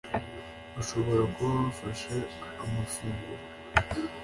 Bashobora kuba bafashe amafunguro